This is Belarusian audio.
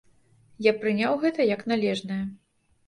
Я прыняў гэта як належнае.